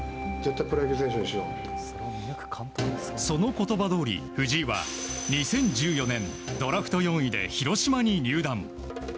その言葉どおり藤井は、２０１４年ドラフト４位で広島に入団。